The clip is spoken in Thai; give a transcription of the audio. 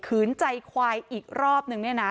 ืนใจควายอีกรอบนึงเนี่ยนะ